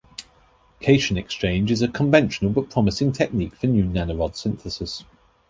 Cation exchange is a conventional but promising technique for new nanorod synthesis.